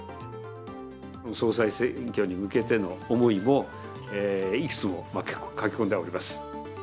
総裁選挙に向けての思いも、いくつも書き込んでおります。